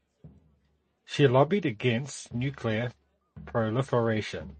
She lobbied against nuclear proliferation.